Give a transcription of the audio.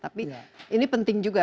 tapi ini penting juga